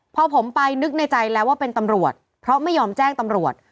พอผมไปนึกในใจแล้วว่าเป็นตำรวจเพราะไม่ยอมแจ้งตำรวจ